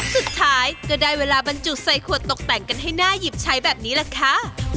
สุดท้ายก็ได้เวลาบรรจุใส่ขวดตกแต่งกันให้น่าหยิบใช้แบบนี้แหละค่ะ